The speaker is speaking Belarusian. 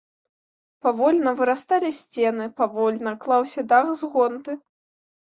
Павольна вырасталі сцены, павольна клаўся дах з гонты.